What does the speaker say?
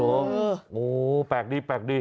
โอ้โหแปลกดี